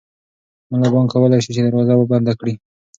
ملا بانګ کولی شي چې دروازه بنده کړي.